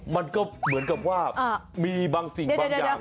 มันก็เหมือนกับว่ามีบางสิ่งบางอย่าง